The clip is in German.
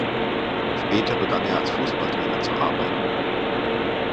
Später begann er als Fußballtrainer zu arbeiten.